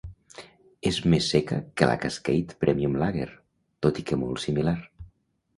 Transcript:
És més seca que la Cascade Premium Lager, tot i que molt similar.